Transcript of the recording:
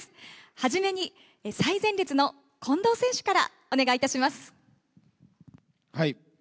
初めに最前列の近藤選手からお願いいたします。